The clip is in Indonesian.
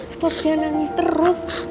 stop jangan nangis terus